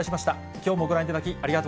きょうもご覧いただき、ありがと